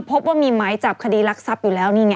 พบว่ามีหมายจับคดีรักทรัพย์อยู่แล้วนี่ไง